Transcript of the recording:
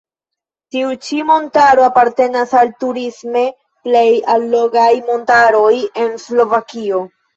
Tiu ĉi montaro apartenas al turisme plej allogaj montaroj en Slovakio.